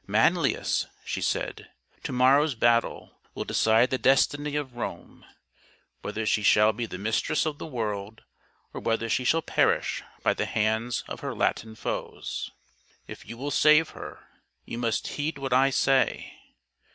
' Manlius,' she said, ' to morrow's battle will decide the destiny of Rome, whether she shall be the mistress of the world, or whether she shall perish by the hands of her Latin foes. If you will save her, you must heed what I say.